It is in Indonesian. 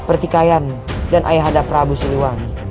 pertikaian dan ayah ada prabu siliwangi